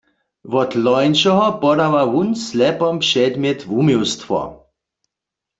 Wot lońšeho podawa wón w Slepom předmjet wuměłstwo.